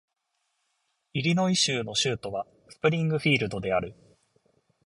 イリノイ州の州都はスプリングフィールドである